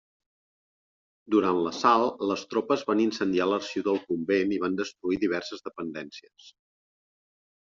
Durant l'assalt, les tropes van incendiar l'arxiu del convent i van destruir diverses dependències.